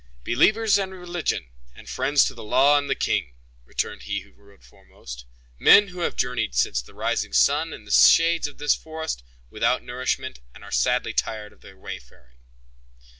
"Believers in religion, and friends to the law and to the king," returned he who rode foremost. "Men who have journeyed since the rising sun, in the shades of this forest, without nourishment, and are sadly tired of their wayfaring."